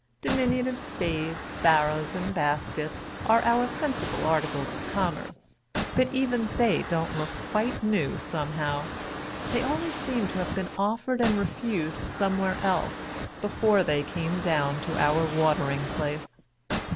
Diminutive spades, barrows, and baskets, are our principal articles of commerce ; but even they don't look qxiite new somehow. They always seem to have been offered and refused somewhere else, before they came down to our Watering Place.